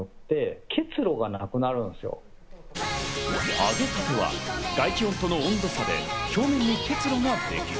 あげたては外気温との温度差で表面に結露ができる。